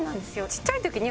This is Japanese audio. ちっちゃい社長。